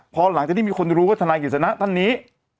พอหลังจากที่มีคนรู้ว่าธนายกิจสนะท่านนี้